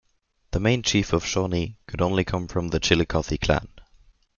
The main chief of the Shawnee could only come from the Chillicothe clan.